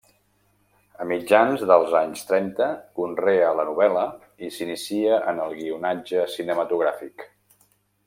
A mitjans dels anys trenta conrea la novel·la i s’inicia en el guionatge cinematogràfic.